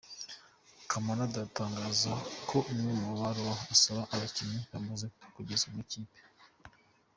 Camarade atangaza ko amwe mu mabaruwa asaba abakinnyi yamaze kugezwa mu ikipe.